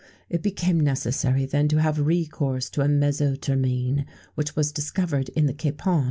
_ It became necessary, then, to have recourse to a mezzo termine, which was discovered in the capon.